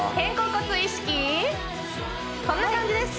こんな感じです